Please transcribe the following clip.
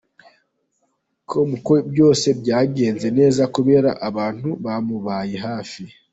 com ko byose byagenze neza kubera abantu bamubaye hafi.